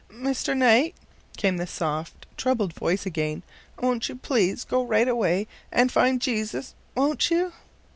"Mr. Knight," came the soft, troubled voice again, "won't you please to go right away and find Jesus? Won't you?"